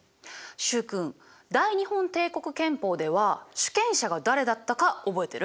習君大日本帝国憲法では主権者が誰だったか覚えてる？